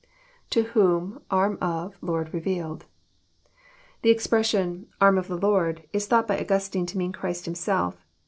[To tehofn..,arm of.. .Lord revealed.'] The expression, " Arm of the Lord," is thought by Augustine to mean Christ Himself.